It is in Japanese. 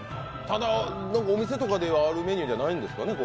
ただ、お店とかであるメニューじゃないんですよね？